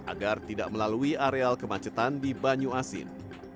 agar tidak melalui areal kemacetan di banyu asin